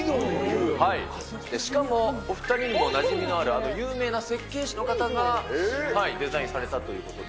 しかもお２人にもなじみのある、あの有名な設計士の方がデザインされたということで。